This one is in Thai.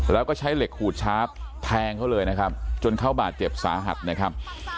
แล้วก็ใช้เหล็กขูดชาร์ฟแทงเขาเลยนะครับจนเขาบาดเจ็บสาหัสนะครับ